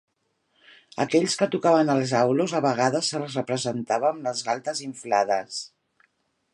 Aquells que tocaven els aulos a vegades se'ls representava amb les galtes inflades.